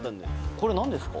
これ、なんですか？